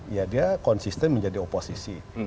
ya dia konsisten menjadi oposisi